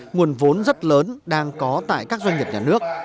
nguồn vốn rất lớn đang có tại các doanh nghiệp nhà nước